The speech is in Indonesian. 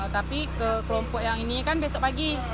tapi ke kelompok yang ini kan besok pagi